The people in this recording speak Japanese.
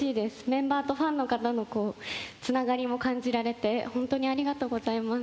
メンバーとファンの方のつながりも感じられて本当にありがとうございます。